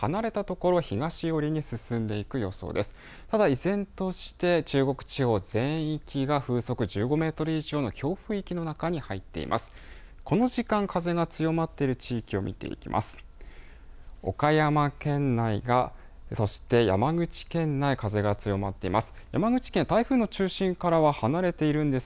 この時間、風が強まっている地域を見ていきます。